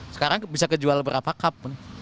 sekarang bisa kejual berapa cup